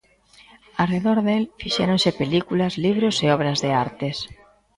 Arredor del fixéronse películas, libros e obras de artes.